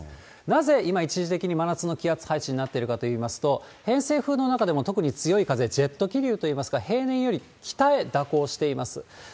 なぜ今、一時的に真夏の気圧配置になってるかといいますと、偏西風の中でも特に強い風、ジェット気流といいますか、平年より北へ蛇行しています。